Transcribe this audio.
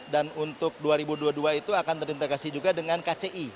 untuk dua ribu dua puluh dua itu akan terintegrasi juga dengan kci